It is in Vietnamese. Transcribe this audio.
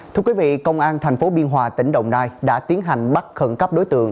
thưa quý vị công an thành phố biên hòa tỉnh đồng nai đã tiến hành bắt khẩn cấp đối tượng